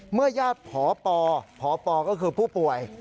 เมื่อยาดผอปอผอปอก็คือผู้ป่วย